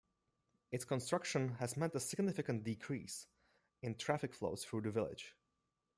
Its construction has meant a significant decrease in traffic flows through the village.